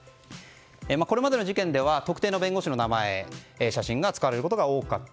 これまでの事件では特定の弁護士の名前写真が使われることが多かった。